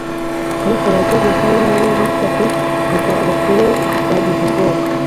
ariko bake gusa ni bo bitabye, nuko abakuru bagize ubwoba